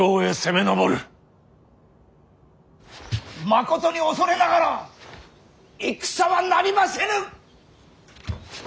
まことに恐れながら戦はなりませぬ！